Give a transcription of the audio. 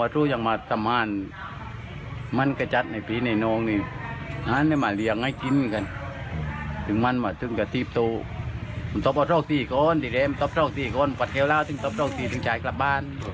แต่ว่าทางภรรยาของผู้เสียชีวิตนะคะ